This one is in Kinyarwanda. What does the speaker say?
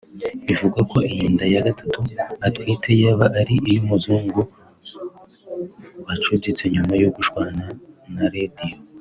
Bivugwa ko iyi nda ya Gatatu atwite yaba ari iy’umuzungu bacuditse nyuma yo gushwana na Radio